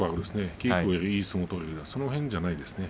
稽古でもいい相撲を取るその辺じゃないですかね。